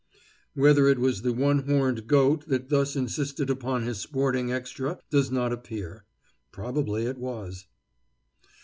Whether it was the one horned goat that thus insisted upon his sporting extra does not appear. Probably it was.